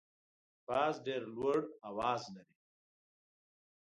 باز ډیر لوړ اواز لري